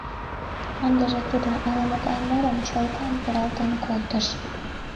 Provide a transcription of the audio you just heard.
Ындыже тудо ала-могай мурым чолган пералтен колтыш.